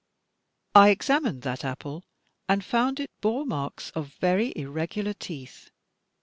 *' I examined that apple, and foimd it bore marks of very irregular teeth.